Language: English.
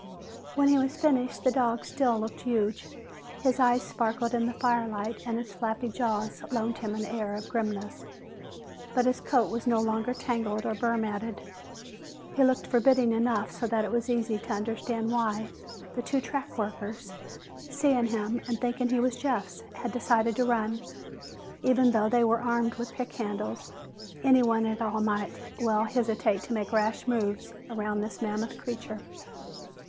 When he was finished, the animal still looked huge. His eyes sparked in the firelight and his flabby jaws loaned him an air of grimness. But his coat was no longer tangled or burr matted. He looked forbidding enough so that it was easy to understand why the two track workers, seeing him and thinking he was Jeff's, had decided to run. Even though they were armed with pick handles, anyone at all might well hesitate to make rash moves around this mammoth creature.